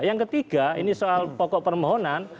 yang ketiga ini soal pokok permohonan